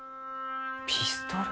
ピストル？